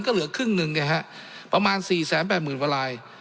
ก็เหลือครึ่งหนึ่งนะฮะประมาณสี่แสนแปดหมื่นวัลลาย